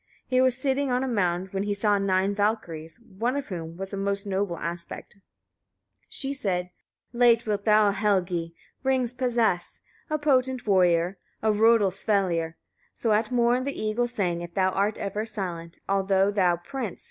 As he was sitting on a mound he saw nine Valkyriur, one of whom was of most noble aspect. She said: 6. Late wilt thou, Helgi! rings possess, a potent warrior, or Rodulsvellir, so at morn the eagle sang if thou art ever silent; although thou, prince!